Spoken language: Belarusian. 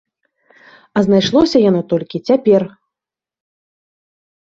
А знайшлося яно толькі цяпер!